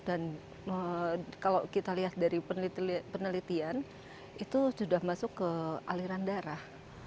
dan kalau kita lihat dari penelitian itu sudah masuk ke aliran darah